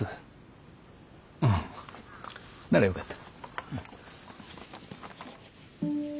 うんならよかった。